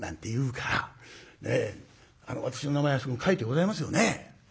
私の名前あそこに書いてございますよね？